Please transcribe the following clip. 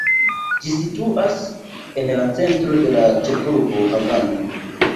Ĝi situas en la centro de la ĉefurbo, Havano.